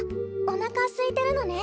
おなかすいてるのね。